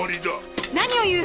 何を言う！